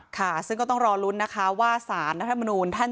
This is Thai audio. ค่ะซึ่งก็ต้องรอลุ้นนะคะว่าสารนักภัยมนูน